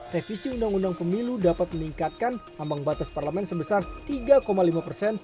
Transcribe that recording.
revisi undang undang pemilu dapat meningkatkan ambang batas parlemen sebesar tiga lima persen